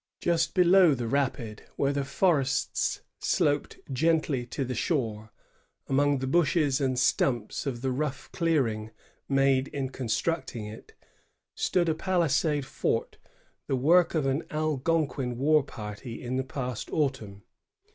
Just below the rapid, where the forests sloped gently to the shore, among the bushes and stumps of the rough clearing made in construct • ing it, stood a palisade fort, the work of an Algonquin war party in the past autumn.